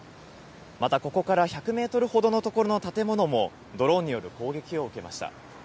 またここから１００メートルほどの所の建物も、ドローンによる攻撃を受けました。